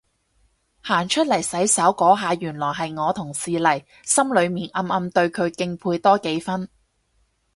行出嚟洗手嗰下原來係我同事嚟，心裏面暗暗對佢敬佩多幾分